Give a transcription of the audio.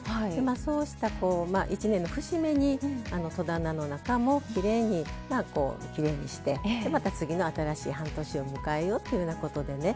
そうした１年の節目に戸棚の中をきれいにしてまた次の新しい半年を迎えようというようなことでね